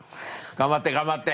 頑張って頑張って。